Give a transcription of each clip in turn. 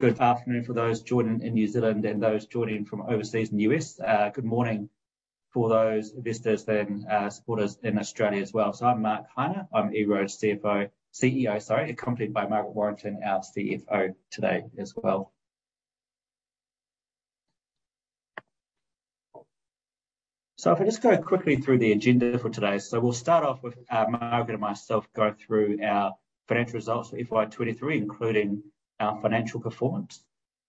Good afternoon for those joining in New Zealand, and those joining from overseas in the U.S. Good morning for those investors and supporters in Australia as well. I'm Mark Heine. I'm EROAD's Chief Executive Officer, sorry, accompanied by Margaret Warrington, our Chief Financial Officer today as well. If I just go quickly through the agenda for today. We'll start off with Margaret and myself going through our financial results for FY23, including our financial performance.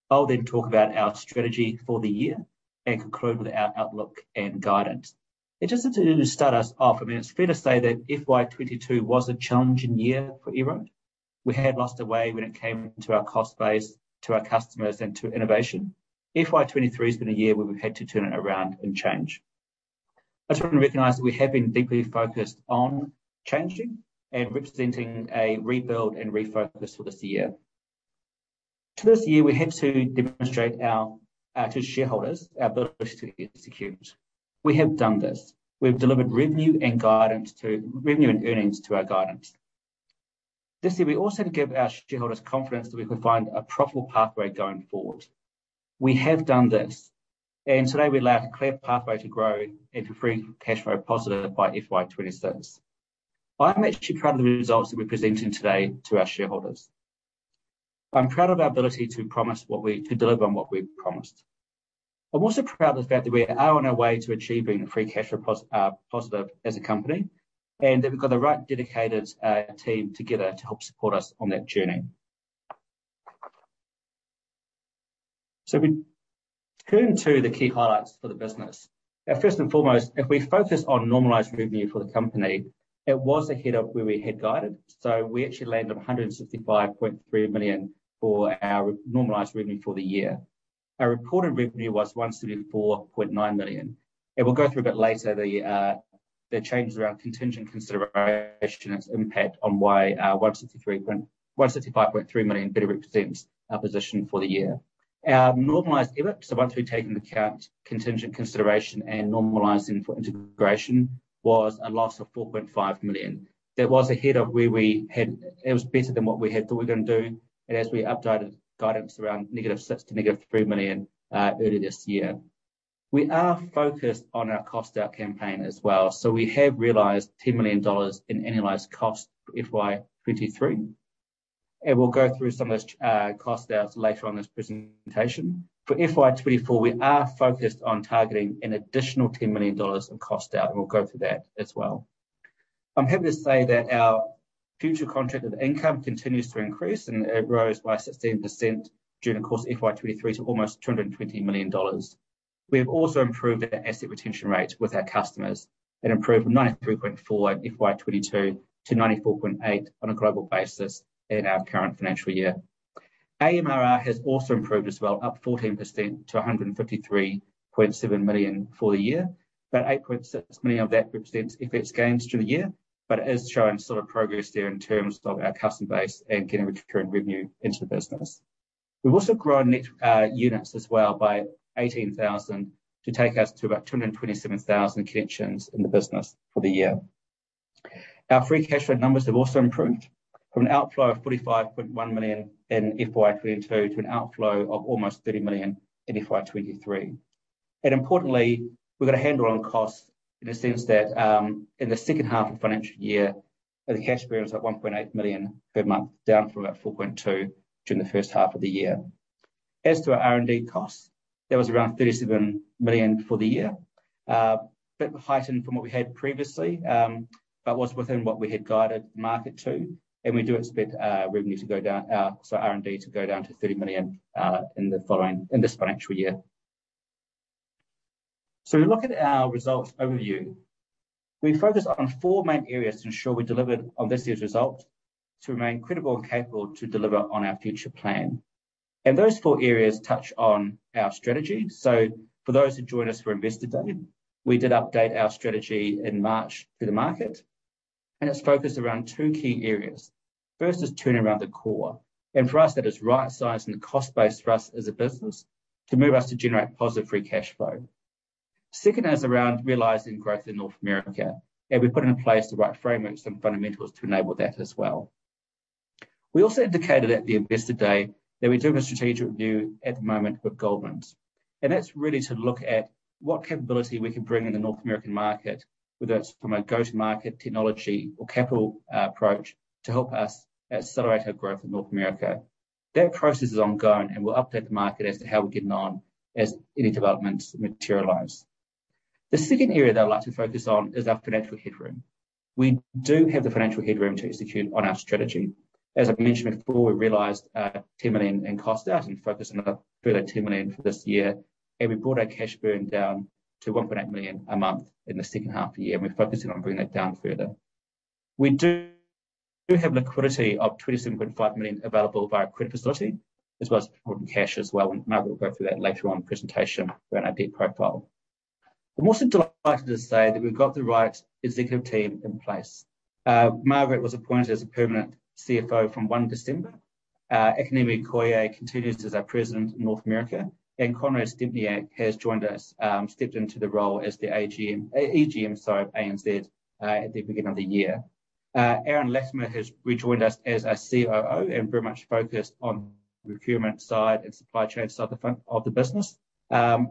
I'll then talk about our strategy for the year and conclude with our outlook and guidance. Just to start us off, I mean, it's fair to say that FY22 was a challenging year for EROAD. We had lost our way when it came to our cost base, to our customers, and to innovation. FY23 been a year where we've had to turn it around and change. I just want to recognize that we have been deeply focused on changing and representing a rebuild and refocus for this year. To this year, we had to demonstrate our to shareholders our ability to execute. We have done this. We've delivered revenue and earnings to our guidance. This year, we also had to give our shareholders confidence that we could find a profitable pathway going forward. We have done this. Today we lay out a clear pathway to grow and to free cash flow positive by FY26. I'm actually proud of the results that we're presenting today to our shareholders. I'm proud of our ability to deliver on what we've promised. I'm also proud of the fact that we are on our way to achieving free cash flow positive as a company, and that we've got the right dedicated team together to help support us on that journey. We turn to the key highlights for the business. Now, first and foremost, if we focus on normalized revenue for the company, it was ahead of where we had guided. We actually landed 165.3 million for our normalized revenue for the year. Our reported revenue was 174.9 million. We'll go through a bit later the changes around contingent consideration and its impact on why our 165.3 million better represents our position for the year. Our normalized EBIT, so once we've taken into account contingent consideration and normalizing for integration, was a loss of 4.5 million. That was ahead of It was better than what we had thought we were gonna do, as we updated guidance around -6 million to -3 million earlier this year. We are focused on our cost-out campaign as well. We have realized 10 million dollars in annualized cost for FY23. We'll go through some of those cost-outs later on in this presentation. For FY24, we are focused on targeting an additional 10 million dollars in cost-out. We'll go through that as well. I'm happy to say that our future contracted income continues to increase. It rose by 16% during the course of FY23 to almost 220 million dollars. We have also improved our asset retention rates with our customers. It improved from 93.4% in FY22 to 94.8% on a global basis in our current financial year. AMRR has also improved as well, up 14% to 153.7 million for the year, but 8.6 million of that represents FX gains through the year, but it is showing sort of progress there in terms of our customer base and getting recurring revenue into the business. We've also grown net units as well by 18,000 to take us to about 227,000 connections in the business for the year. Our free cash flow numbers have also improved from an outflow of 45.1 million in FY22 to an outflow of almost 30 million in FY23. Importantly, we've got a handle on costs in the sense that, in the second half of the financial year, the cash burn was at 1.8 million per month, down from about 4.2 million during the first half of the year. As to our R&D costs, that was around 37 million for the year. A bit heightened from what we had previously, but was within what we had guided the market to, and we do expect, revenue to go down, sorry, R&D to go down to 30 million in the following, in this financial year. We look at our results overview. We focused on four main areas to ensure we delivered on this year's result to remain credible and capable to deliver on our future plan. Those four areas touch on our strategy. For those who joined us for Investor Day, we did update our strategy in March to the market, and it's focused around two key areas. First is turning around the core, and for us that is right-size and cost base for us as a business to move us to generate positive free cash flow. Second is around realizing growth in North America, and we've put in place the right frameworks and fundamentals to enable that as well. We also indicated at the Investor Day that we're doing a strategic review at the moment with Goldman. That's really to look at what capability we can bring in the North American market, whether it's from a go-to-market technology or capital approach to help us accelerate our growth in North America. That process is ongoing, and we'll update the market as to how we're getting on as any developments materialize. The second area that I'd like to focus on is our financial headroom. We do have the financial headroom to execute on our strategy. As I mentioned before, we realized 10 million in cost out and focused on a further 10 million for this year, and we brought our cash burn down to 1.8 million a month in the second half of the year, and we're focusing on bringing that down further. We do have liquidity of 27.5 million available via our credit facility, as well as important cash as well, and Margaret will go through that later on in the presentation around our debt profile. I'm also delighted to say that we've got the right executive team in place. Margaret was appointed as a permanent Chief Financial Officer from December 1. Akinyemi Koye continues as our president in North America. Konrad Stempniak has joined us, stepped into the role as the EGM, sorry, of ANZ at the beginning of the year. Aaron Latimer has rejoined us as our Chief Operating Officer and very much focused on the procurement side and supply chain side of the business.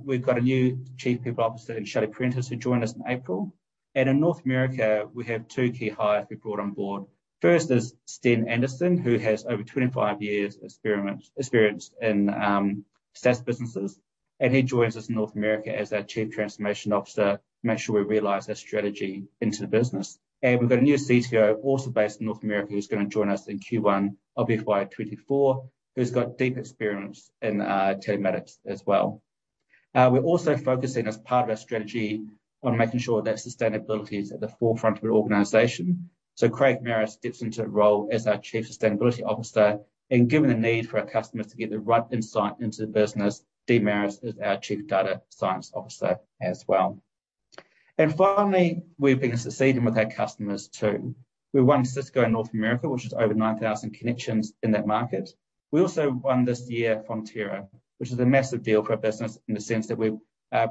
We've got a new Chief People Officer in Shelley Prentice, who joined us in April. In North America, we have two key hires we brought on board. First is Steen Andersen, who has over 25 years' experience in SaaS businesses, and he joins us in North America as our Chief Transformation Officer to make sure we realize our strategy into the business. We've got a new CTO also based in North America, who's gonna join us in Q1 of FY24, who's got deep experience in telematics as well. We're also focusing as part of our strategy on making sure that sustainability is at the forefront of our organization. Craig Marris steps into the role as our Chief Sustainability Officer, and given the need for our customers to get the right insight into the business, Dean Marris is our Chief Data Science Officer as well. Finally, we've been succeeding with our customers too. We won Sysco in North America, which is over 9,000 connections in that market. We also won this year Fonterra, which is a massive deal for our business in the sense that we're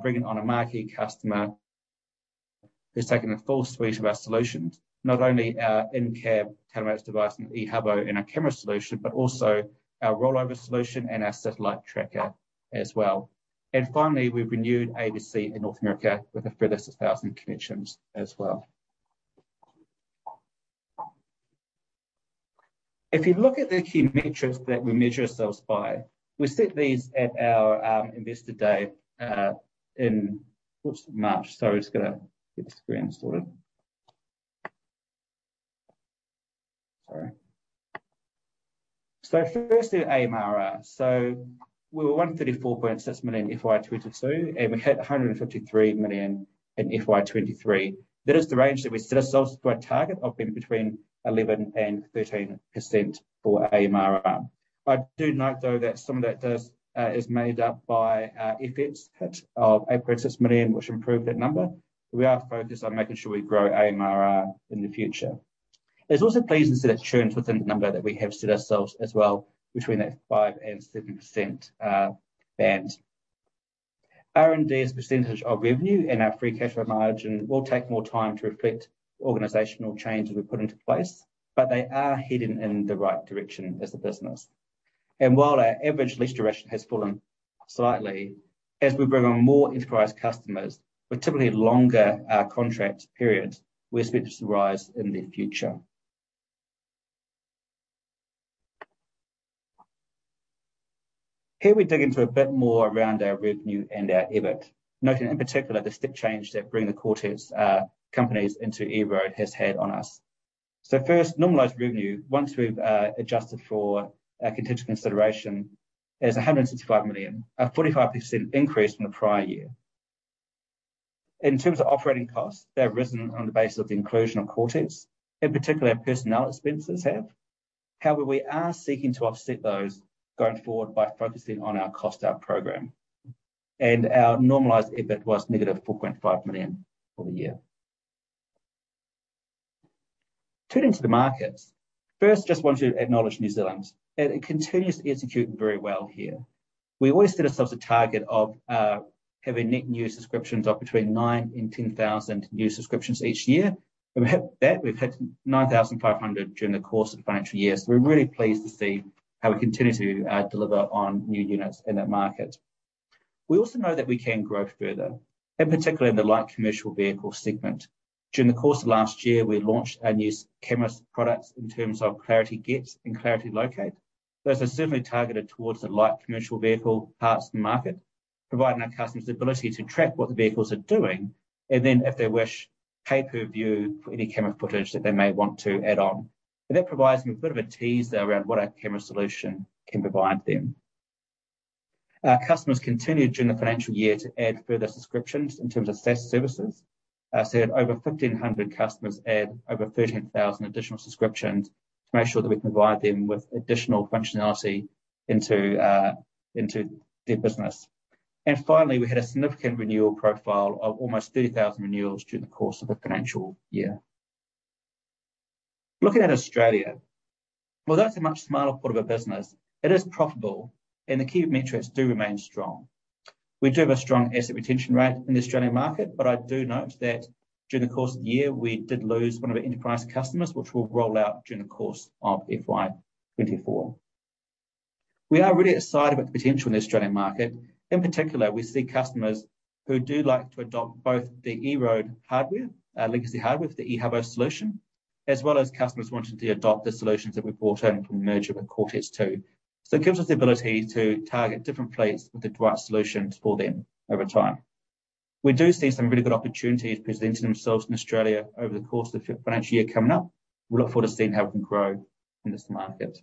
bringing on a marquee customer who's taking a full suite of our solutions. Not only our in-cab telematics device and Ehubo in our camera solution, but also our rollover solution and our satellite tracker as well. Finally, we've renewed ABC in North America with a further 6,000 connections as well. If you look at the key metrics that we measure ourselves by, we set these at our Investor Day in, oops, March, sorry, I've just gotta get the screen sorted. Sorry. First year AMRR. We were 134.6 million in FY22, and we hit 153 million in FY23. That is the range that we set ourselves to a target of being between 11% and 13% for AMRR. I do note though that some of that does is made up by our FX hit of 8.6 million, which improved that number. We are focused on making sure we grow AMRR in the future. It's also pleasing to see that churn is within the number that we have set ourselves as well between that 5% and 7% band. R&D as % of revenue and our free cash flow margin will take more time to reflect organizational change that we've put into place, but they are heading in the right direction as a business. While our average lease duration has fallen slightly, as we bring on more enterprise customers with typically longer contract periods, we expect this to rise in the future. Here we dig into a bit more around our revenue and our EBIT. Noting in particular, the step change that bringing the Quartix companies into EROAD has had on us. First, normalized revenue, once we've adjusted for a contingent consideration is 165 million, a 45% increase from the prior year. In terms of operating costs, they have risen on the basis of the inclusion of Quartix, in particular, personnel expenses have. However, we are seeking to offset those going forward by focusing on our cost out program. Our normalized EBIT was -4.5 million for the year. Turning to the markets. First, just want to acknowledge New Zealand. It continues to execute very well here. We always set ourselves a target of having net new subscriptions of between 9,000 and 10,000 new subscriptions each year. We hit that. We've hit 9,500 during the course of the financial year. We're really pleased to see how we continue to deliver on new units in that market. We also know that we can grow further, in particular in the light commercial vehicle segment. During the course of last year, we launched our new cameras products in terms of Clarity Gets and Clarity Locate. Those are specifically targeted towards the light commercial vehicle parts market, providing our customers the ability to track what the vehicles are doing, and then, if they wish, pay per view for any camera footage that they may want to add on. That provides them a bit of a tease around what our camera solution can provide them. Our customers continued during the financial year to add further subscriptions in terms of SaaS services. We had over 1,500 customers add over 13,000 additional subscriptions to make sure that we can provide them with additional functionality into their business. Finally, we had a significant renewal profile of almost 30,000 renewals during the course of the financial year. Looking at Australia, while that's a much smaller part of our business, it is profitable and the key metrics do remain strong. We do have a strong asset retention rate in the Australian market, but I do note that during the course of the year, we did lose one of our enterprise customers, which we'll roll out during the course of FY24. We are really excited about the potential in the Australian market. In particular, we see customers who do like to adopt both the EROAD hardware, legacy hardware for the Ehubo solution, as well as customers wanting to adopt the solutions that we brought in from the merger with Quartix too. It gives us the ability to target different fleets with the right solutions for them over time. We do see some really good opportunities presenting themselves in Australia over the course of the financial year coming up. We look forward to seeing how we can grow in this market.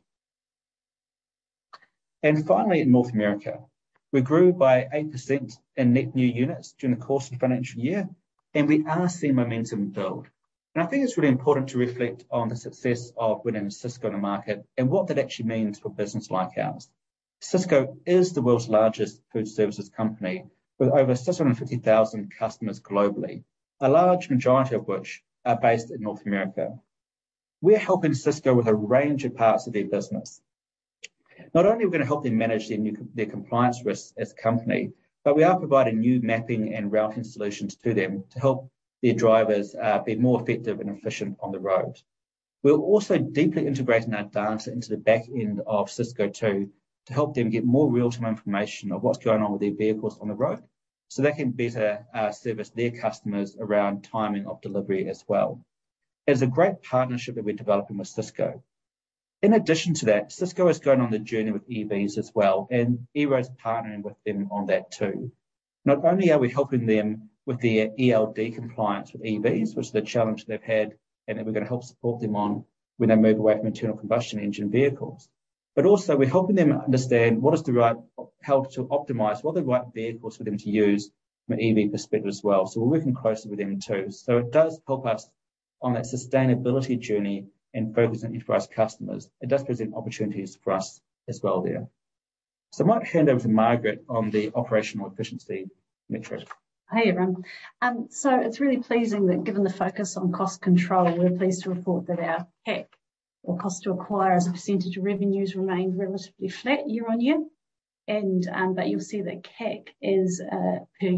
Finally, in North America, we grew by 8% in net new units during the course of the financial year, and we are seeing momentum build. I think it's really important to reflect on the success of winning Sysco in the market and what that actually means for a business like ours. Sysco is the world's largest food services company with over 650,000 customers globally, a large majority of which are based in North America. We're helping Sysco with a range of parts of their business. Not only are we going to help them manage their compliance risks as a company, but we are providing new mapping and routing solutions to them to help their drivers be more effective and efficient on the road. We're also deeply integrating our data into the back end of Sysco too, to help them get more real-time information of what's going on with their vehicles on the road, so they can better service their customers around timing of delivery as well. It's a great partnership that we're developing with Sysco. In addition to that, Cisco is going on the journey with EVs as well, and EROAD's partnering with them on that too. Not only are we helping them with their ELD compliance with EVs, which is a challenge they've had, and that we're gonna help support them on when they move away from internal combustion engine vehicles. Also we're helping them understand what is the right help to optimize what are the right vehicles for them to use from an EV perspective as well. We're working closely with them too. It does help us on that sustainability journey and focusing enterprise customers. It does present opportunities for us as well there. I might hand over to Margaret on the operational efficiency metric. Hey, everyone. It's really pleasing that given the focus on cost control, we're pleased to report that our CAC or cost to acquire as a percentage of revenues remained relatively flat year-on-year. You'll see that CAC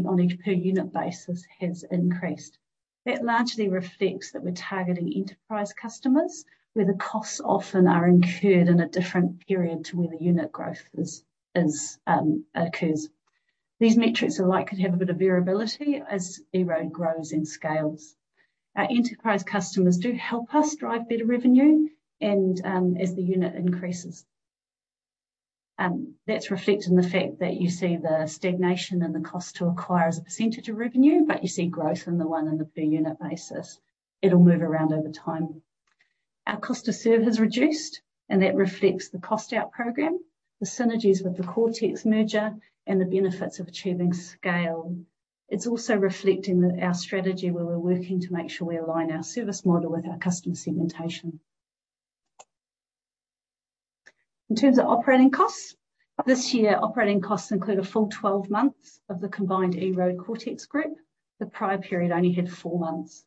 on a per unit basis has increased. That largely reflects that we're targeting enterprise customers, where the costs often are incurred in a different period to where the unit growth is occurs. These metrics are like could have a bit of variability as EROAD grows and scales. Our enterprise customers do help us drive better revenue and as the unit increases. That's reflecting the fact that you see the stagnation and the cost to acquire as a % of revenue, you see growth in the one in the per unit basis. It'll move around over time. Our cost to serve has reduced, that reflects the cost out program, the synergies with the Coretex merger and the benefits of achieving scale. It's also reflecting that our strategy where we're working to make sure we align our service model with our customer segmentation. In terms of operating costs, this year, operating costs include a full 12 months of the combined EROAD Coretex group. The prior period only had four months.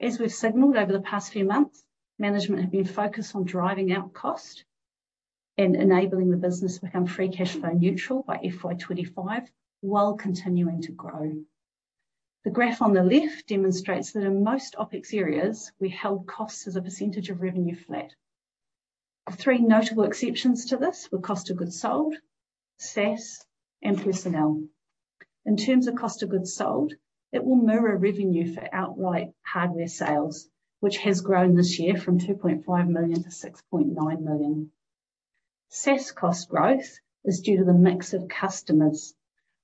As we've signaled over the past few months, management have been focused on driving out cost and enabling the business to become free cash flow neutral by FY25 while continuing to grow. The graph on the left demonstrates that in most OpEx areas, we held costs as a percentage of revenue flat. The 3 notable exceptions to this were cost of goods sold, SaaS and personnel. In terms of cost of goods sold, it will mirror revenue for outright hardware sales, which has grown this year from 2.5 million to 6.9 million. SaaS cost growth is due to the mix of customers.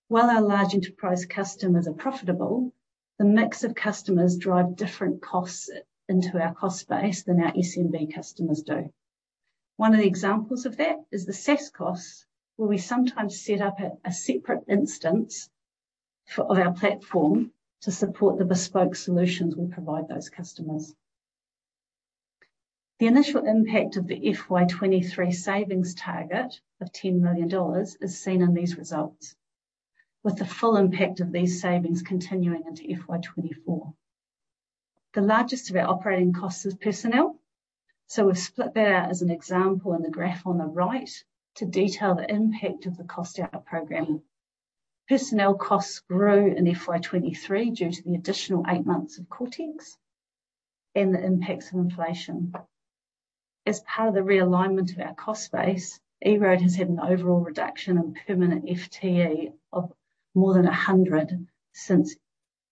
While our large enterprise customers are profitable, the mix of customers drive different costs into our cost base than our SMB customers do. One of the examples of that is the SaaS costs, where we sometimes set up a separate instance for our platform to support the bespoke solutions we provide those customers. The initial impact of the FY23 savings target of 10 million dollars is seen in these results, with the full impact of these savings continuing into FY24. The largest of our operating costs is personnel. We've split that out as an example in the graph on the right to detail the impact of the cost out programming. Personnel costs grew in FY23 due to the additional eight months of Coretex and the impacts of inflation. As part of the realignment of our cost base, EROAD has had an overall reduction in permanent FTE of more than 100 since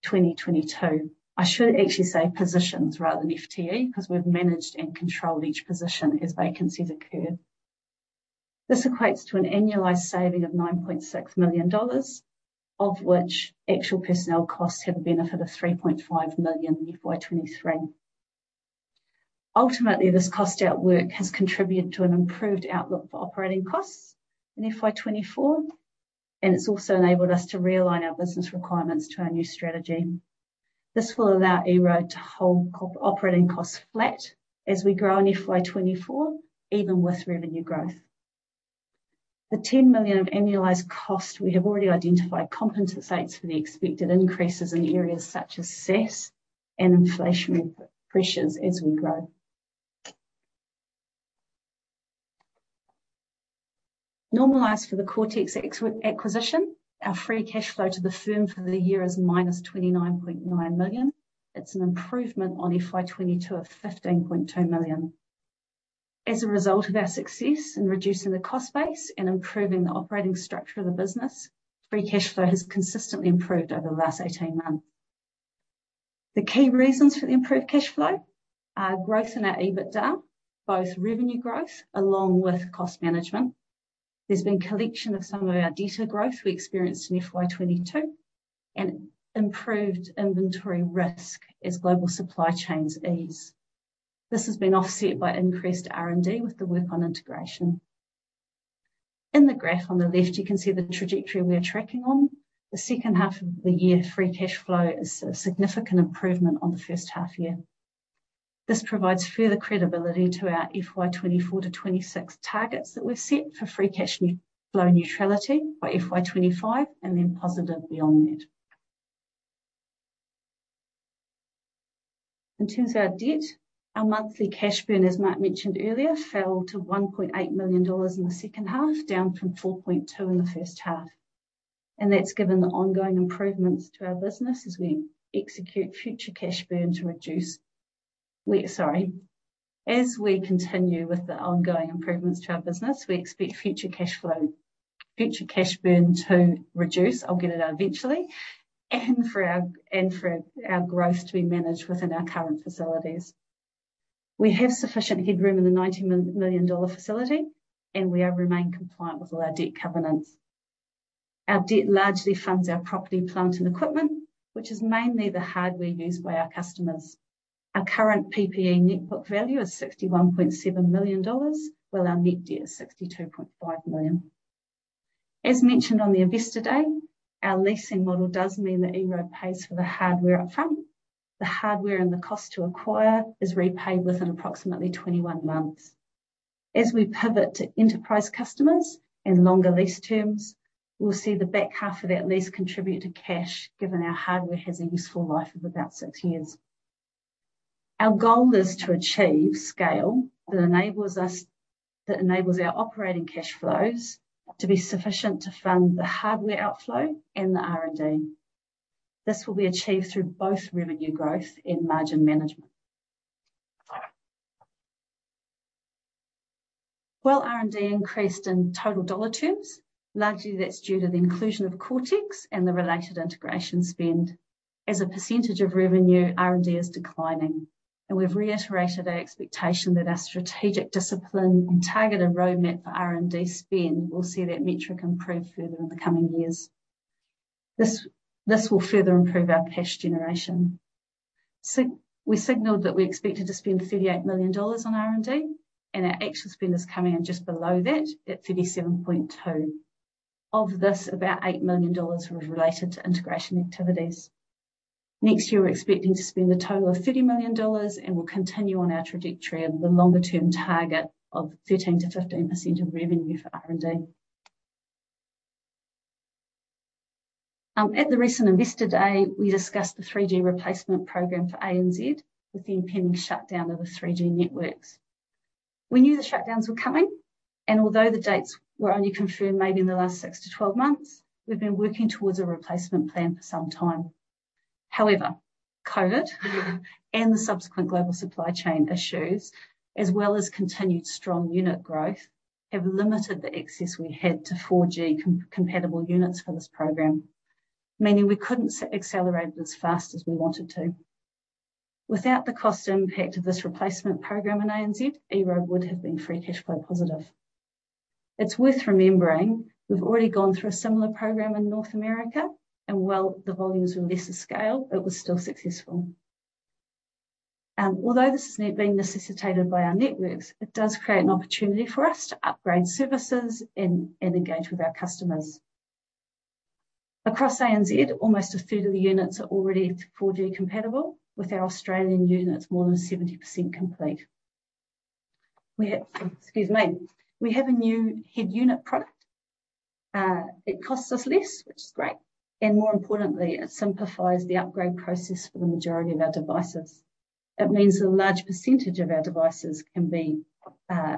2022. I should actually say positions rather than FTE, 'cause we've managed and controlled each position as vacancies occur. This equates to an annualized saving of NZD 9.6 million, of which actual personnel costs have a benefit of NZD 3.5 million in FY23. Ultimately, this cost out work has contributed to an improved outlook for operating costs in FY24, and it's also enabled us to realign our business requirements to our new strategy. This will allow EROAD to hold operating costs flat as we grow in FY24, even with revenue growth. The 10 million of annualized cost we have already identified compensates for the expected increases in areas such as SaaS and inflationary pressures as we grow. Normalized for the Coretex acquisition, our free cash flow to the firm for the year is -29.9 million. It's an improvement on FY22 of 15.2 million. A result of our success in reducing the cost base and improving the operating structure of the business, free cash flow has consistently improved over the last 18 months. The key reasons for the improved cash flow are growth in our EBITDA, both revenue growth along with cost management. There's been collection of some of our debtor growth we experienced in FY22 and improved inventory risk as global supply chains ease. This has been offset by increased R&D with the work on integration. In the graph on the left, you can see the trajectory we are tracking on. The second half of the year, free cash flow is a significant improvement on the first half year. This provides further credibility to our FY24-FY26 targets that we've set for free cash flow neutrality by FY25 and then positive beyond that. In terms of our debt, our monthly cash burn, as Mark mentioned earlier, fell to 1.8 million dollars in the second half, down from 4.2 million in the first half. That's given the ongoing improvements to our business as we execute future cash burns reduce. Sorry. As we continue with the ongoing improvements to our business, we expect future cash burn to reduce. I'll get it out eventually. For our growth to be managed within our current facilities. We have sufficient headroom in the 90 million dollar facility, and we are remain compliant with all our debt covenants. Our debt largely funds our property, plant, and equipment, which is mainly the hardware used by our customers. Our current PPE net book value is 61.7 million dollars, while our net debt is 62.5 million. As mentioned on the Investor Day, our leasing model does mean that EROAD pays for the hardware upfront. The hardware and the cost to acquire is repaid within approximately 21 months. As we pivot to enterprise customers and longer lease terms, we'll see the back half of that lease contribute to cash, given our hardware has a useful life of about six years. Our goal is to achieve scale that enables our operating cash flows to be sufficient to fund the hardware outflow and the R&D. This will be achieved through both revenue growth and margin management. While R&D increased in total NZD terms, largely that's due to the inclusion of Coretex and the related integration spend. As a percentage of revenue, R&D is declining, and we've reiterated our expectation that our strategic discipline and targeted roadmap for R&D spend will see that metric improve further in the coming years. This will further improve our cash generation. We signaled that we expected to spend 38 million dollars on R&D, and our actual spend is coming in just below that at 37.2 million. Of this, about 8 million dollars was related to integration activities. Next year, we're expecting to spend a total of 30 million dollars, and we'll continue on our trajectory of the longer-term target of 13%-15% of revenue for R&D. At the recent Investor Day, we discussed the 3G replacement program for ANZ with the impending shutdown of the 3G networks. We knew the shutdowns were coming, and although the dates were only confirmed maybe in the last 6-12 months, we've been working towards a replacement plan for some time. COVID and the subsequent global supply chain issues, as well as continued strong unit growth, have limited the access we had to 4G compatible units for this program, meaning we couldn't accelerate it as fast as we wanted to. Without the cost impact of this replacement program in ANZ, EROAD would have been free cash flow positive. It's worth remembering, we've already gone through a similar program in North America, and while the volumes were lesser scale, it was still successful. Although this is being necessitated by our networks, it does create an opportunity for us to upgrade services and engage with our customers. Across ANZ, almost 1/3 of the units are already 4G compatible, with our Australian units more than 70% complete. We have a new head unit product. It costs us less, which is great, and more importantly, it simplifies the upgrade process for the majority of our devices. It means that a large percentage of our devices can be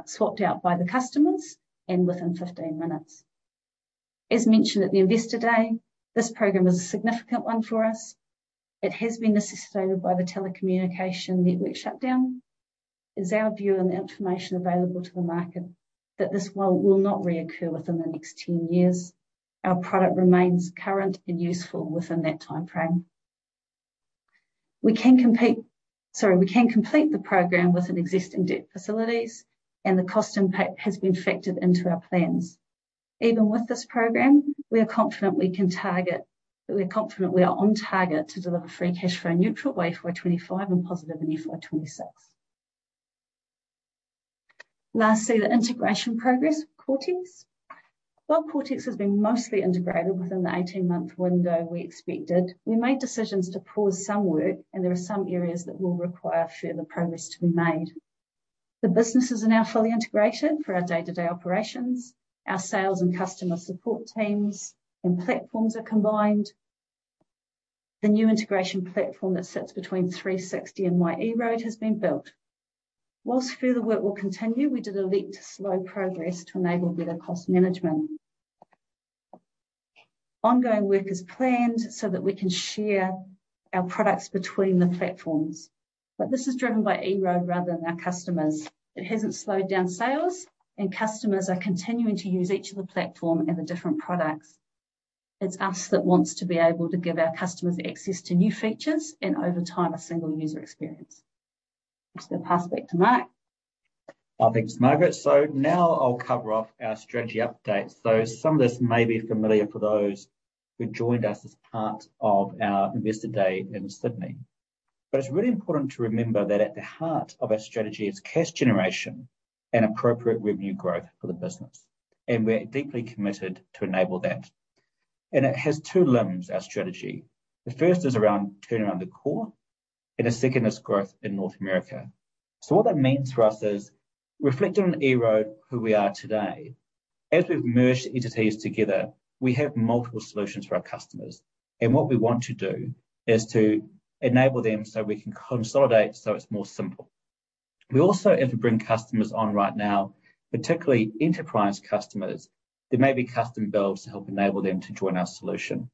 swapped out by the customers and within 15 minutes. As mentioned at the Investor Day, this program is a significant one for us. It has been necessitated by the telecommunication network shutdown. It's our view and the information available to the market that this will not reoccur within the next 10 years. Our product remains current and useful within that timeframe. We can complete the program within existing debt facilities, and the cost impact has been factored into our plans. Even with this program, we are confident we are on target to deliver free cash flow neutral FY25 and positive in FY26. Lastly, the integration progress with Coretex. While Coretex has been mostly integrated within the 18-month window we expected, we made decisions to pause some work, and there are some areas that will require further progress to be made. The businesses are now fully integrated for our day-to-day operations. Our sales and customer support teams and platforms are combined. The new integration platform that sits between 360 and MyEROAD has been built. Further work will continue, we did elect to slow progress to enable better cost management. Ongoing work is planned so that we can share our products between the platforms, but this is driven by EROAD rather than our customers. It hasn't slowed down sales, and customers are continuing to use each of the platform and the different products. It's us that wants to be able to give our customers access to new features and, over time, a single user experience. I'll pass back to Mark. Thanks, Margaret. Now I'll cover off our strategy updates. Some of this may be familiar for those who joined us as part of our Investor Day in Sydney. It's really important to remember that at the heart of our strategy is cash generation and appropriate revenue growth for the business, and we're deeply committed to enable that. It has two limbs, our strategy. The first is around turning around the core, and the second is growth in North America. What that means for us is reflecting on EROAD, who we are today. As we've merged entities together, we have multiple solutions for our customers, and what we want to do is to enable them so we can consolidate, so it's more simple. We also, as we bring customers on right now, particularly enterprise customers, there may be custom builds to help enable them to join our solution.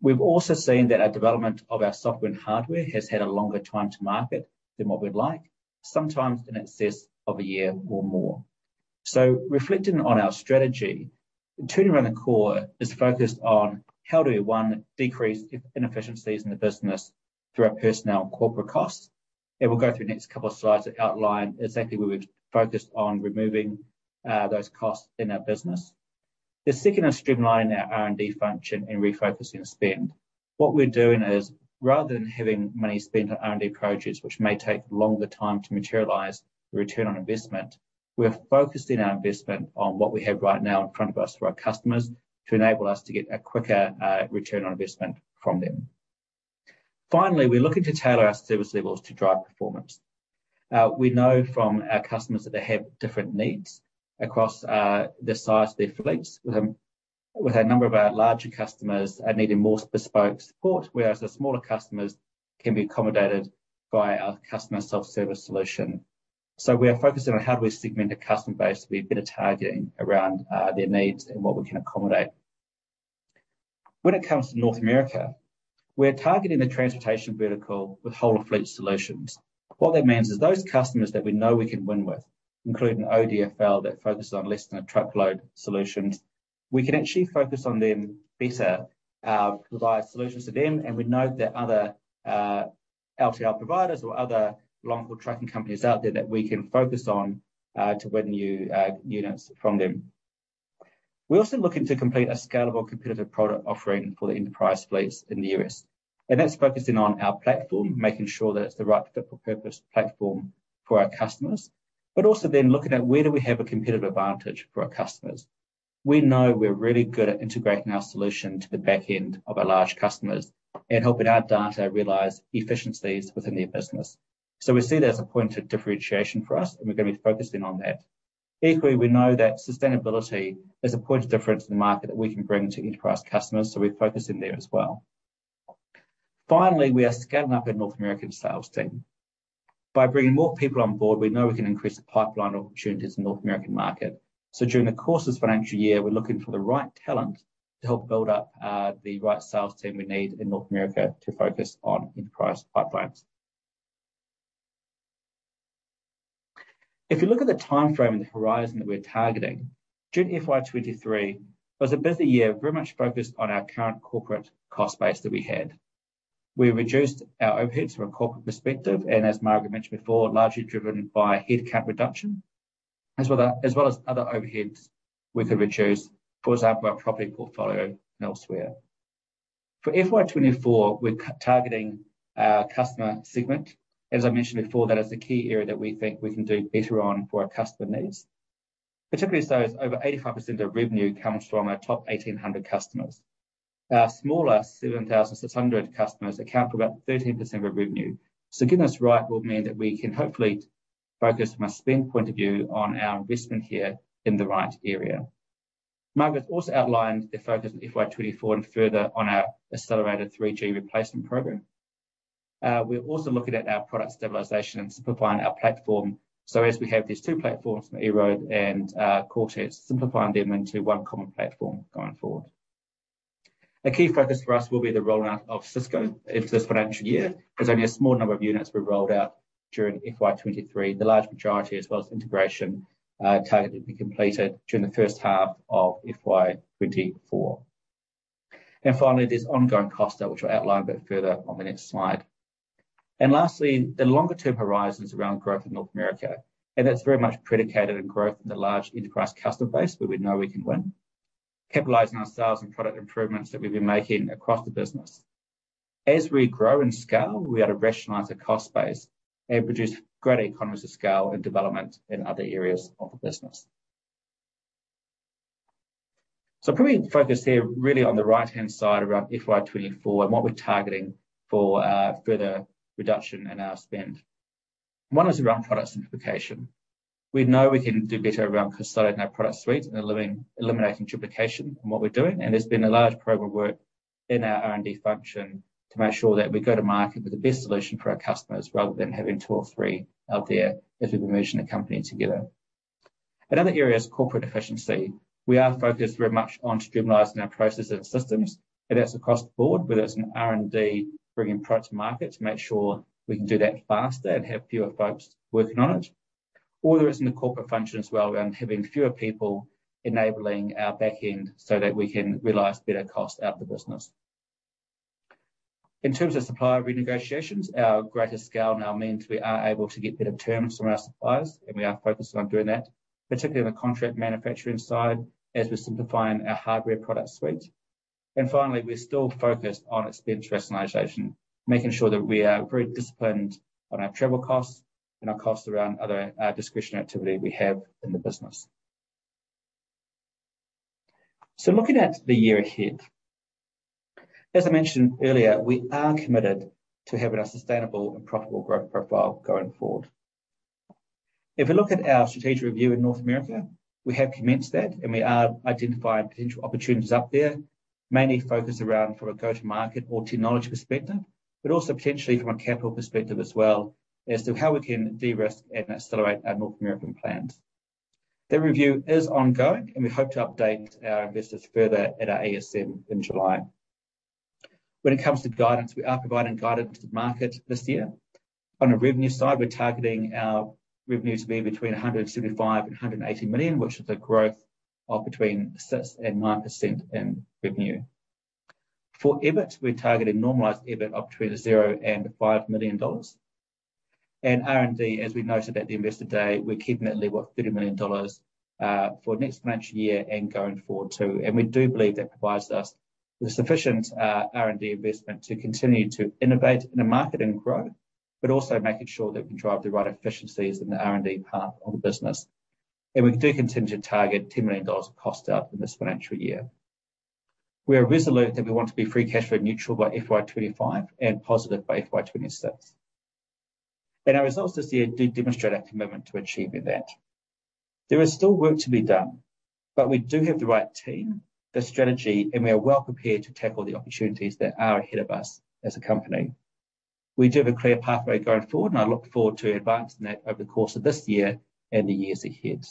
We've also seen that our development of our software and hardware has had a longer time to market than what we'd like, sometimes in excess of a year or more. Reflecting on our strategy, turning around the core is focused on how do we, one, decrease inefficiencies in the business through our personnel corporate costs. We'll go through the next couple of slides that outline exactly where we've focused on removing those costs in our business. The second is streamlining our R&D function and refocusing spend. What we're doing is, rather than having money spent on R&D projects, which may take longer time to materialize the return on investment, we're focusing our investment on what we have right now in front of us for our customers to enable us to get a quicker return on investment from them. Finally, we're looking to tailor our service levels to drive performance. We know from our customers that they have different needs across the size of their fleets. With a number of our larger customers are needing more bespoke support, whereas the smaller customers can be accommodated by our customer self-service solution. We are focusing on how do we segment the customer base to be better targeting around their needs and what we can accommodate. When it comes to North America, we're targeting the transportation vertical with whole fleet solutions. What that means is those customers that we know we can win with, including ODFL, that focuses on less than a truckload solutions, we can actually focus on them better, provide solutions to them. We know that other LTL providers or other long-haul trucking companies out there that we can focus on to win new units from them. We're also looking to complete a scalable competitive product offering for the enterprise fleets in the U.S. That's focusing on our platform, making sure that it's the right fit for purpose platform for our customers. Also then looking at where do we have a competitive advantage for our customers. We know we're really good at integrating our solution to the back end of our large customers and helping our data realize efficiencies within their business. We see it as a point of differentiation for us, and we're gonna be focusing on that. Equally, we know that sustainability is a point of difference in the market that we can bring to enterprise customers, so we're focusing there as well. Finally, we are scaling up our North American sales team. By bringing more people on board, we know we can increase the pipeline opportunities in North American market. During the course of this financial year, we're looking for the right talent to help build up the right sales team we need in North America to focus on enterprise pipelines. If you look at the timeframe and the horizon that we're targeting, June FY23 was a busy year, very much focused on our current corporate cost base that we had. We reduced our overheads from a corporate perspective, and as Margaret mentioned before, largely driven by headcount reduction, as well, as well as other overheads we could reduce. For example, our property portfolio and elsewhere. For FY24, we're targeting our customer segment. As I mentioned before, that is the key area that we think we can do better on for our customer needs. Particularly as those over 85% of revenue comes from our top 1,800 customers. Our smaller 7,600 customers account for about 13% of revenue. Getting this right will mean that we can hopefully focus from a spend point of view on our investment here in the right area. Margaret also outlined the focus on FY24 and further on our accelerated 3G replacement program. We're also looking at our product stabilization and simplifying our platform. As we have these two platforms, EROAD and Quartix, simplifying them into one common platform going forward. A key focus for us will be the rollout of Sysco into this financial year. There's only a small number of units we rolled out during FY23. The large majority as well as integration targeted to be completed during the first half of FY24. Finally, there's ongoing cost out, which I'll outline a bit further on the next slide. Lastly, the longer-term horizons around growth in North America, and that's very much predicated on growth in the large enterprise customer base where we know we can win, capitalizing on sales and product improvements that we've been making across the business. As we grow and scale, we ought to rationalize the cost base and produce greater economies of scale and development in other areas of the business. Coming in focus here really on the right-hand side around FY24 and what we're targeting for further reduction in our spend. One is around product simplification. We know we can do better around consolidating our product suite and eliminating duplication in what we're doing. There's been a large program of work in our R&D function to make sure that we go to market with the best solution for our customers, rather than having two or three out there as we've been merging the company together. Another area is corporate efficiency. We are focused very much on streamlining our processes and systems, and that's across the board, whether it's in R&D, bringing a product to market to make sure we can do that faster and have fewer folks working on it. There is in the corporate function as well around having fewer people enabling our back end so that we can realize better cost out of the business. In terms of supplier renegotiations, our greater scale now means we are able to get better terms from our suppliers, and we are focused on doing that, particularly on the contract manufacturing side as we're simplifying our hardware product suite. Finally, we're still focused on expense rationalization, making sure that we are very disciplined on our travel costs and our costs around other discretionary activity we have in the business. Looking at the year ahead, as I mentioned earlier, we are committed to having a sustainable and profitable growth profile going forward. If you look at our strategic review in North America, we have commenced that and we are identifying potential opportunities up there, mainly focused around from a go-to-market or technology perspective, but also potentially from a capital perspective as well as to how we can de-risk and accelerate our North American plans. That review is ongoing, and we hope to update our investors further at our ASM in July. When it comes to guidance, we are providing guidance to the market this year. On a revenue side, we're targeting our revenue to be between 175 million and 180 million, which is a growth of between 6% and 9% in revenue. For EBIT, we're targeting normalized EBIT of between 0 and 5 million dollars. R&D, as we noted at the Investor Day, we're keeping that level of 30 million dollars for next financial year and going forward too. We do believe that provides us with sufficient R&D investment to continue to innovate in the market and grow, but also making sure that we drive the right efficiencies in the R&D part of the business. We do continue to target 10 million dollars of cost out in this financial year. We are resolute that we want to be free cash flow neutral by FY25 and positive by FY26. Our results this year do demonstrate our commitment to achieving that. There is still work to be done, but we do have the right team, the strategy, and we are well prepared to tackle the opportunities that are ahead of us as a company. We do have a clear pathway going forward. I look forward to advancing that over the course of this year and the years ahead.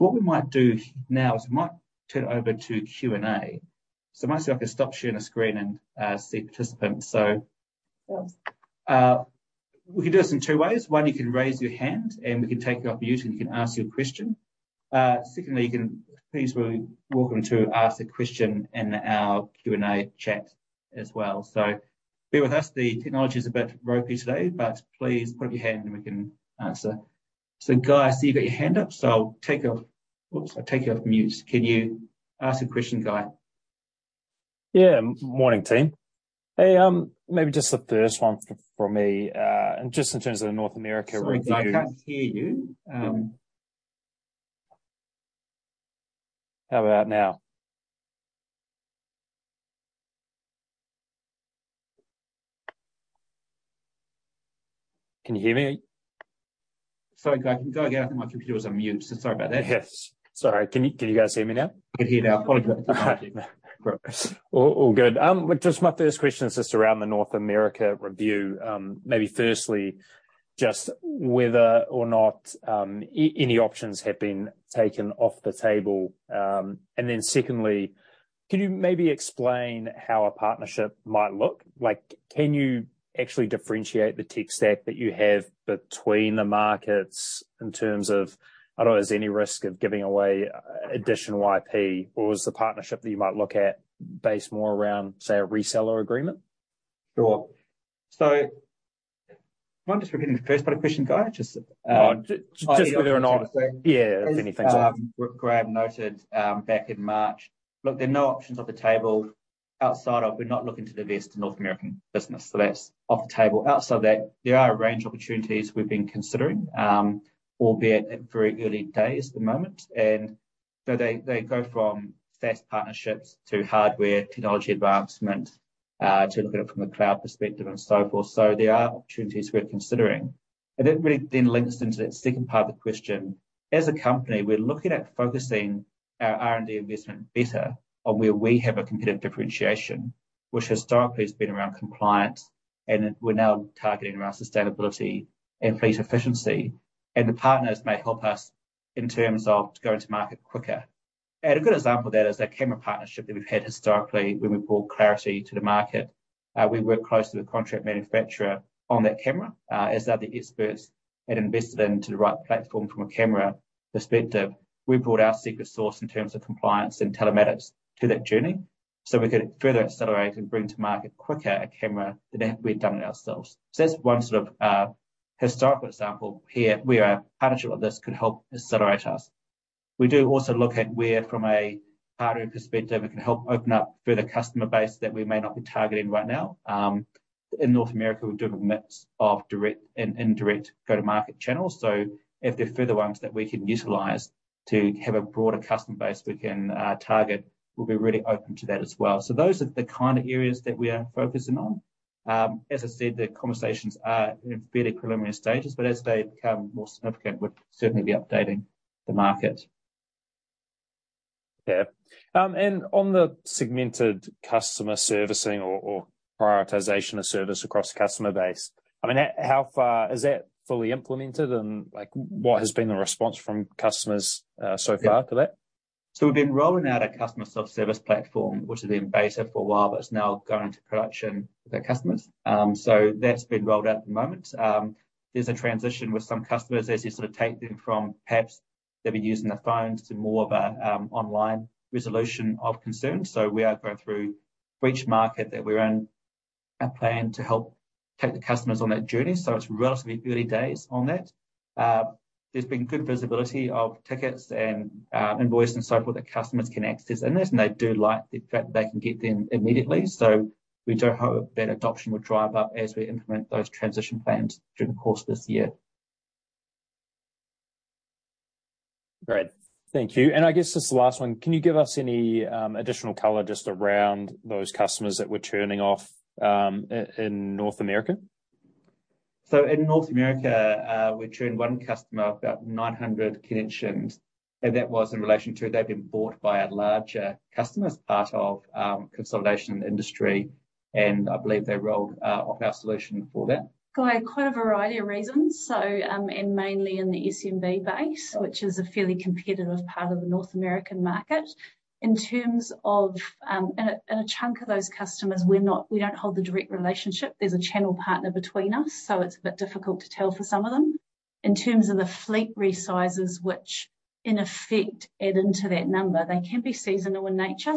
What we might do now is we might turn over to Q&A. Might see if I can stop sharing the screen and see participants. We can do this in two ways. One, you can raise your hand, and we can take you off mute, and you can ask your question. Secondly, you can please feel welcome to ask the question in our Q&A chat as well. Bear with us. The technology is a bit ropey today, but please put up your hand and we can answer. Guy, I see you've got your hand up. Oops. I'll take you off mute. Can you ask the question, Guy? Yeah. Morning, team. Hey, maybe just the first one for me. Just in terms of the North America review. Sorry, Guy. I can't hear you. How about now? Can you hear me? Sorry, Guy. I think my computer was on mute. Sorry about that. Yes. Sorry. Can you guys hear me now? Can hear you now. Apologies. All good. Just my first question is just around the North America review. Maybe firstly, just whether or not any options have been taken off the table. Then secondly, can you maybe explain how a partnership might look? Like, can you actually differentiate the tech stack that you have between the markets in terms of... I don't know, is there any risk of giving away additional IP, or is the partnership that you might look at based more around, say, a reseller agreement? Sure. mind just repeating the first part of question, Guy? Just whether or not. Yeah. If anything's. As Graham noted, back in March. Look, there are no options off the table. Outside of we're not looking to divest North American business, so that's off the table. Outside that, there are a range of opportunities we've been considering, albeit at very early days at the moment. They go from SaaS partnerships to hardware, technology advancement, to look at it from a cloud perspective and so forth. There are opportunities we're considering. That really then links into that second part of the question. As a company, we're looking at focusing our R&D investment better on where we have a competitive differentiation, which historically has been around compliance, and we're now targeting around sustainability and fleet efficiency. The partners may help us in terms of going to market quicker. A good example of that is that camera partnership that we've had historically when we brought clarity to the market. We work closely with contract manufacturer on that camera, as they're the experts and invested into the right platform from a camera perspective. We brought our secret sauce in terms of compliance and telematics to that journey, so we could further accelerate and bring to market quicker a camera than if we'd done it ourselves. That's one sort of historical example here where a partnership like this could help accelerate us. We do also look at where from a partner perspective it can help open up further customer base that we may not be targeting right now. In North America, we do have a mix of direct and indirect go-to-market channels. If there are further ones that we can utilize to have a broader customer base we can target, we'll be really open to that as well. Those are the kind of areas that we are focusing on. As I said, the conversations are in fairly preliminary stages, but as they become more significant, we'll certainly be updating the market. Yeah. On the segmented customer servicing or prioritization of service across the customer base, I mean, how far. Is that fully implemented and, like, what has been the response from customers so far to that? We've been rolling out our customer self-service platform, which has been in beta for a while, but it's now going to production with our customers. That's been rolled out at the moment. There's a transition with some customers as you sort of take them from perhaps they've been using their phones to more of a online resolution of concerns. We are going through each market that we're in, a plan to help take the customers on that journey. It's relatively early days on that. There's been good visibility of tickets and invoice and so forth that customers can access in this, and they do like the fact that they can get them immediately. We do hope that adoption will drive up as we implement those transition plans through the course of this year. Great. Thank you. I guess just the last one, can you give us any additional color just around those customers that we're churning off, in North America? In North America, we churned one customer of about 900 connections. That was in relation to they've been bought by a larger customer as part of consolidation in the industry. I believe they rolled off our solution for that. Guy, quite a variety of reasons. Mainly in the SMB base, which is a fairly competitive part of the North American market. In terms of a chunk of those customers, we don't hold the direct relationship. There's a channel partner between us, so it's a bit difficult to tell for some of them. In terms of the fleet resizes, which in effect add into that number, they can be seasonal in nature.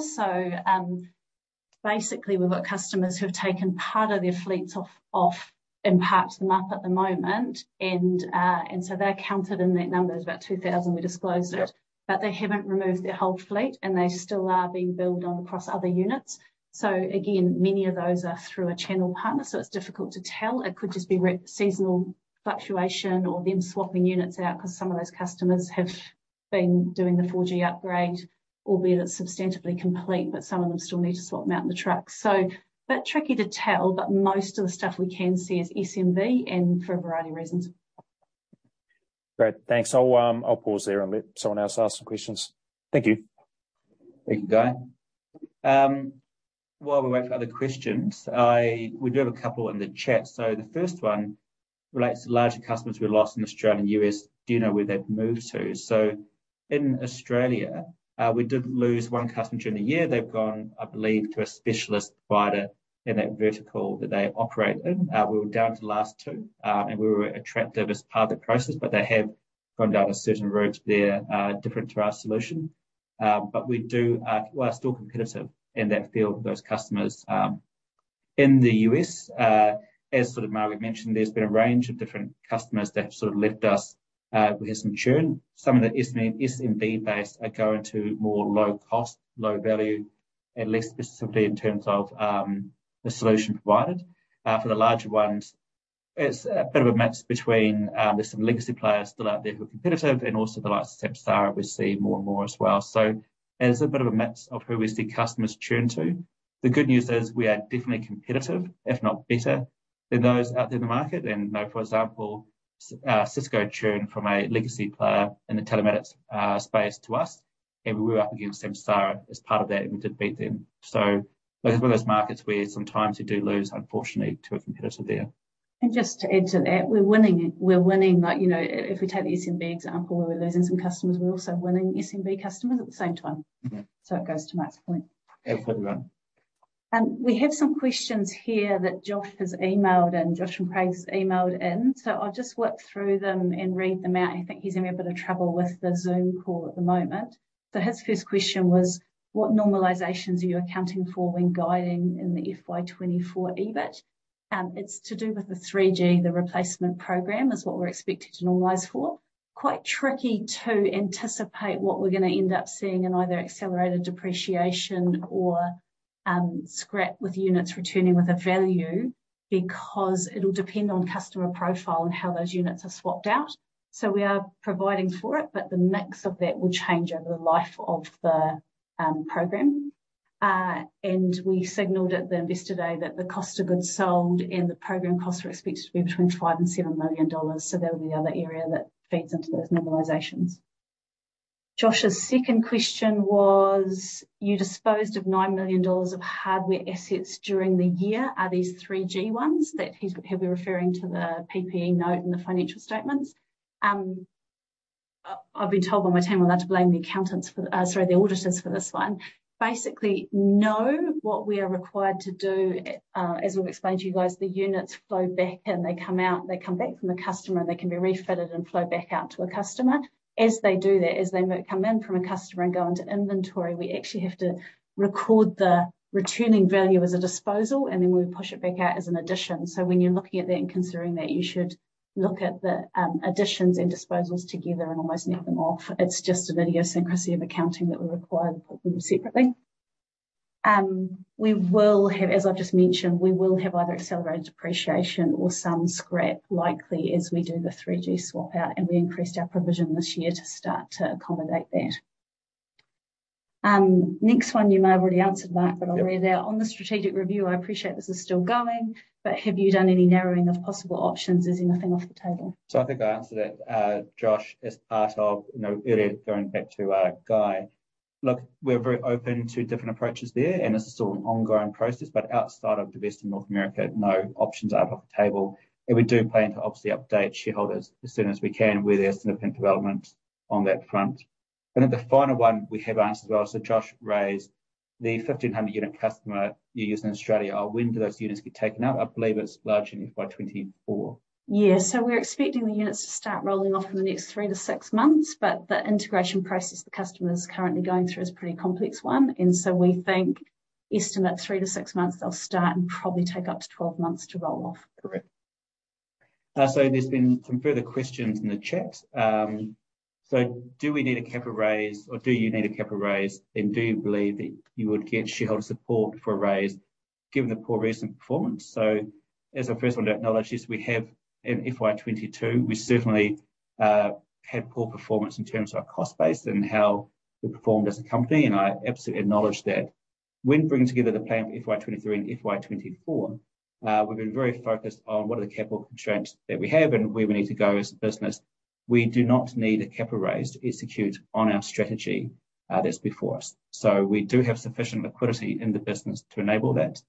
Basically we've got customers who have taken part of their fleets off and parked them up at the moment, they're counted in that number. There's about 2,000, we disclosed it. Yeah. They haven't removed their whole fleet, and they still are being billed on across other units. Again, many of those are through a channel partner, so it's difficult to tell. It could just be seasonal fluctuation or them swapping units out 'cause some of those customers have been doing the 4G upgrade, albeit it's substantively complete, but some of them still need to swap them out in the trucks. A bit tricky to tell, but most of the stuff we can see is SMB and for a variety of reasons. Great. Thanks. I'll pause there and let someone else ask some questions. Thank you. Thank you, Guy. While we wait for other questions, we do have a couple in the chat. The first one relates to larger customers we lost in Australia and U.S. Do you know where they've moved to? In Australia, we did lose one customer during the year. They've gone, I believe, to a specialist provider in that vertical that they operate in. We were down to the last two, and we were attractive as part of the process, but they have gone down a certain road there, different to our solution. We do, we are still competitive in that field with those customers. In the U.S., as sort of Margaret mentioned, there's been a range of different customers that have sort of left us. We have some churn. Some of that SME and SMB base are going to more low cost, low value and less specificity in terms of the solution provided. For the larger ones, it's a bit of a mix between there's some legacy players still out there who are competitive and also the likes of Samsara we see more and more as well. It is a bit of a mix of who we see customers churn to. The good news is we are definitely competitive, if not better than those out there in the market. Know, for example, Sysco churned from a legacy player in the telematics space to us, and we were up against Samsara as part of that, and we did beat them. Those are one of those markets where sometimes you do lose, unfortunately, to a competitor there. Just to add to that, we're winning. Like, you know, if we take the SMB example, where we're losing some customers, we're also winning SMB customers at the same time. It goes to Mark Heine's point. Absolutely. We have some questions here that Josh has emailed in. Josh and Craig's emailed in. I'll just work through them and read them out. I think he's having a bit of trouble with the Zoom call at the moment. His first question was, what normalizations are you accounting for when guiding in the FY24 EBIT? It's to do with the 3G, the replacement program is what we're expected to normalize for. Quite tricky to anticipate what we're gonna end up seeing in either accelerated depreciation or scrap with units returning with a value because it'll depend on customer profile and how those units are swapped out. We are providing for it, but the mix of that will change over the life of the program. We signaled at the Investor Day that the cost of goods sold and the program costs are expected to be between 5 million and 7 million dollars, so that'll be the other area that feeds into those normalizations. Josh's second question was, you disposed of 9 million dollars of hardware assets during the year. Are these 3G ones? That he'll be referring to the PPE note in the financial statements. I've been told by my team I'm allowed to blame the accountants for, sorry, the auditors for this one. Basically, no, what we are required to do, as we've explained to you guys, the units flow back in. They come out, they come back from the customer, and they can be refitted and flow back out to a customer. As they do that, as they come in from a customer and go into inventory, we actually have to record the returning value as a disposal, and then we push it back out as an addition. When you're looking at that and considering that, you should look at the additions and disposals together and almost net them off. It's just an idiosyncrasy of accounting that we're required to put them separately. We will have, as I've just mentioned, we will have either accelerated depreciation or some scrap likely as we do the 3G swap out, and we increased our provision this year to start to accommodate that. Next one you may have already answered, Mark- Yeah. I'll read it out. On the strategic review, I appreciate this is still going. Have you done any narrowing of possible options? Is anything off the table? I think I answered that, Josh, as part of, you know, earlier going back to Guy. Look, we're very open to different approaches there, and this is still an ongoing process. Outside of the West and North America, no options are off the table. We do plan to obviously update shareholders as soon as we can where there's significant development on that front. The final one we have answered as well. Josh raised the 1,500 unit customer you use in Australia. When do those units get taken out? I believe it's largely in FY24. We're expecting the units to start rolling off in the next three to six months, the integration process the customer's currently going through is a pretty complex one. We think estimate three to six months they'll start and probably take up to 12 months to roll off. Correct. There's been some further questions in the chat. Do we need a capital raise or do you need a capital raise? Do you believe that you would get shareholder support for a raise, given the poor recent performance? As I first want to acknowledge this, we have in FY22, we certainly had poor performance in terms of our cost base and how we performed as a company, and I absolutely acknowledge that. When bringing together the plan for FY23 and FY24, we've been very focused on what are the capital constraints that we have and where we need to go as a business. We do not need a capital raise to execute on our strategy, that's before us. We do have sufficient liquidity in the business to enable that.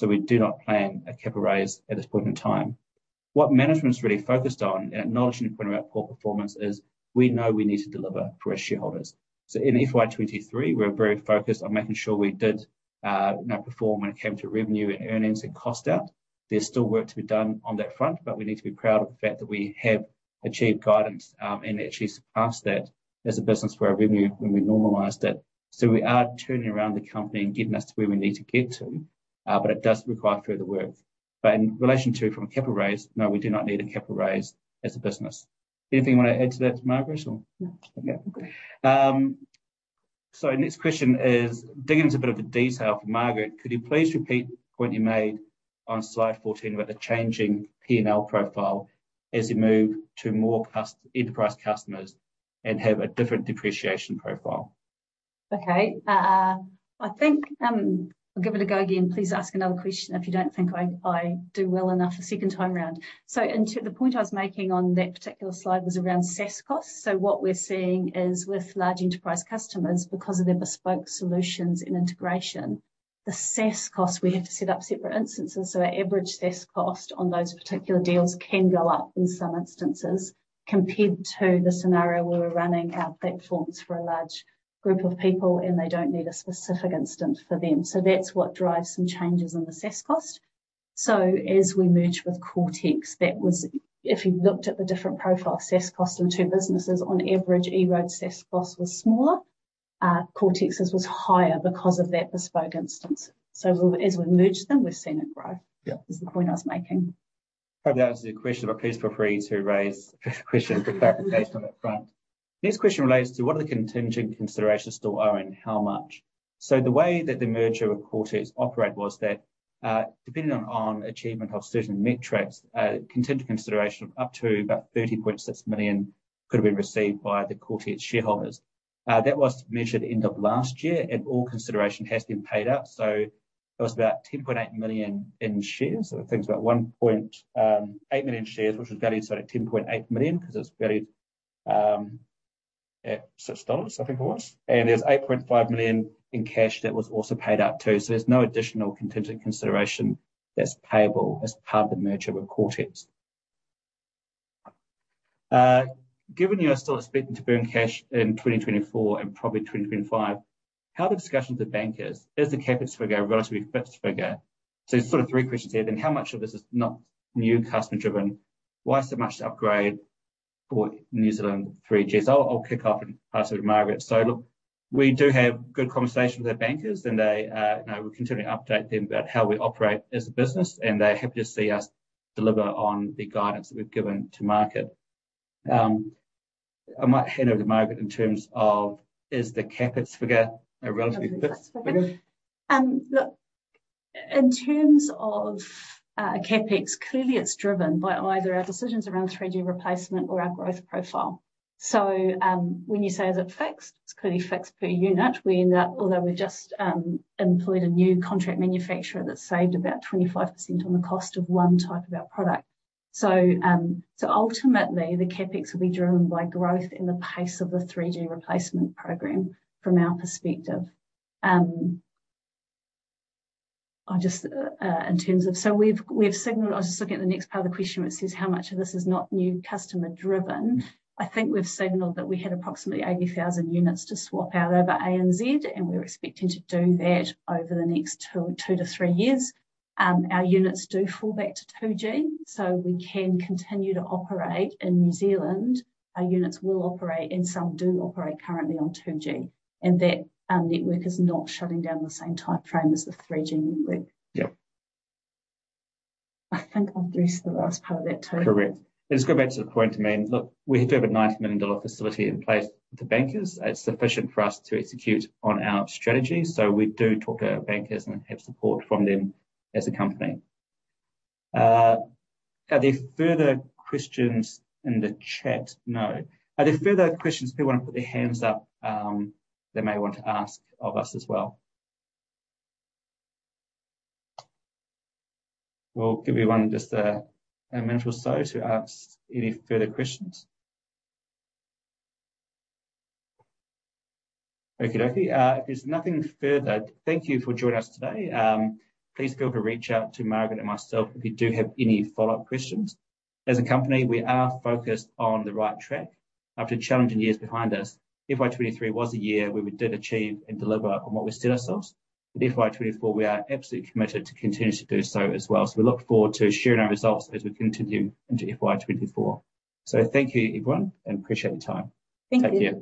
We do not plan a capital raise at this point in time. What management's really focused on, and acknowledging the point about poor performance, is we know we need to deliver for our shareholders. In FY23, we're very focused on making sure we did, you know, perform when it came to revenue and earnings and cost out. There's still work to be done on that front, but we need to be proud of the fact that we have achieved guidance and actually surpassed that as a business for our revenue when we normalized it. We are turning around the company and getting us to where we need to get to, but it does require further work. In relation to from a capital raise, no, we do not need a capital raise as a business. Anything you want to add to that, Margaret, or? No. Okay. Next question is digging into a bit of the detail for Margaret. Could you please repeat the point you made on slide 14 about the changing P&L profile as you move to more enterprise customers and have a different depreciation profile? I think, I'll give it a go again. Please ask another question if you don't think I do well enough the second time around. The point I was making on that particular slide was around SaaS costs. What we're seeing is with large enterprise customers, because of their bespoke solutions and integration, the SaaS cost, we have to set up separate instances. Our average SaaS cost on those particular deals can go up in some instances compared to the scenario where we're running our platforms for a large group of people, and they don't need a specific instance for them. That's what drives some changes in the SaaS cost. As we merge with Coretex, if you looked at the different profile of SaaS cost in two businesses, on average, EROAD's SaaS cost was smaller. Coretex's was higher because of that bespoke instance. As we merge them, we've seen it. Yeah. Is the point I was making. Hope that answers your question, please feel free to raise questions for clarification on that front. Next question relates to what are the contingent considerations still owing, how much? The way that the merger with Coretex operate was that, depending on achievement of certain metrics, a contingent consideration of up to about 30.6 million could have been received by the Coretex shareholders. That was measured end of last year, and all consideration has been paid out, so it was about 10.8 million in shares. I think it was about 1.8 million shares, which was valued, sorry, 10.8 million, 'cause it was valued at 6 dollars, I think it was. There's 8.5 million in cash that was also paid out too. There's no additional contingent consideration that's payable as part of the merger with Coretex. Given you are still expecting to burn cash in 2024 and probably 2025, how are the discussions with bankers? Is the CapEx figure a relatively fixed figure? There's sort of three questions there then. How much of this is not new customer driven? Why so much to upgrade for New Zealand 3G? I'll kick off and pass over to Margaret. Look, we do have good conversation with our bankers, and they, you know, we continually update them about how we operate as a business, and they're happy to see us deliver on the guidance that we've given to market. I might hand over to Margaret in terms of is the CapEx figure a relatively fixed figure? Look, in terms of CapEx, clearly it's driven by either our decisions around 3G replacement or our growth profile. When you say is it fixed, it's clearly fixed per unit. Although we've just employed a new contract manufacturer that's saved about 25% on the cost of one type of our product. Ultimately, the CapEx will be driven by growth and the pace of the 3G replacement program from our perspective. We've signaled. I was just looking at the next part of the question, which says how much of this is not new customer driven. I think we've signaled that we had approximately 80,000 units to swap out over ANZ, and we're expecting to do that over the next two-three years. Our units do fall back to 2G, so we can continue to operate in New Zealand. Our units will operate, and some do operate currently on 2G, and that network is not shutting down the same timeframe as the 3G network. Yeah. I think I've addressed the last part of that, too. Correct. Let's go back to the point I made. Look, we do have a 90 million dollar facility in place with the bankers. It's sufficient for us to execute on our strategy. We do talk to our bankers and have support from them as a company. Are there further questions in the chat? No. Are there further questions people want to put their hands up, they may want to ask of us as well? We'll give everyone just a minute or so to ask any further questions. Okey-dokey. If there's nothing further, thank you for joining us today. Please feel free to reach out to Margaret and myself if you do have any follow-up questions. As a company, we are focused on the right track. After challenging years behind us, FY23 was a year where we did achieve and deliver on what we set ourselves. In FY24, we are absolutely committed to continue to do so as well. We look forward to sharing our results as we continue into FY24. Thank you everyone, and appreciate your time. Thank you. Take care.